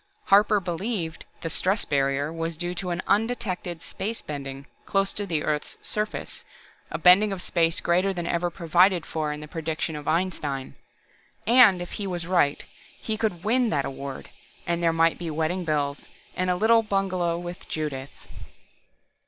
Harper believed the "stress barrier" was due to an undetected space bending close to the earth's surface, a bending of space greater than ever provided for in the prediction of Einstein. And if he was right, and could win that award, then there might be wedding bells, and a little bungalow with Judith....